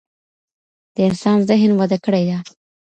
د انسان ذهن وده کړې ده.